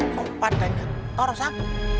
kok pada nyetor sam